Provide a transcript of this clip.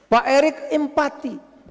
pak erick empati